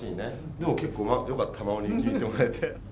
でも結構よかったママ森に気に入ってもらえて。